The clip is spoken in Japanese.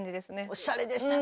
おしゃれでしたね。